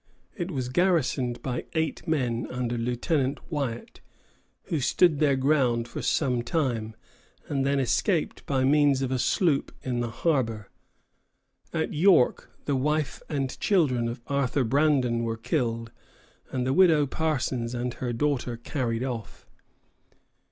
It was garrisoned by eight men under Lieutenant Wyatt, who stood their ground for some time, and then escaped by means of a sloop in the harbor. At York the wife and children of Arthur Brandon were killed, and the Widow Parsons and her daughter carried off.